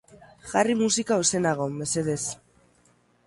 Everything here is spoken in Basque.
Jarri musika ozenago, mesedez